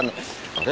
あれ？